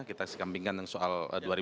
kita sekampingkan soal dua ribu sembilan belas